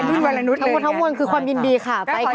ทั้งหมดทั้งหมดคือความยินดีค่ะไปค่ะ